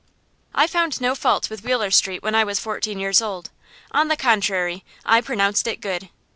I found no fault with Wheeler Street when I was fourteen years old. On the contrary, I pronounced it good.